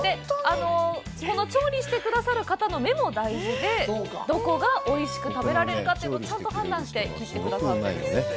この調理してくださる方の目も大事で、どこがおいしく食べられるかというところをちゃんと判断して切ってくださっているんです。